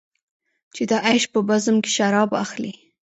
چې د عیش په بزم کې شراب اخلې.